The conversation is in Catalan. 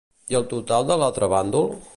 I el total de l'altre bàndol?